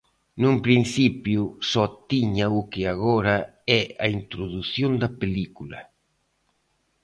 Nun principio, só tiña o que agora é a introdución da película.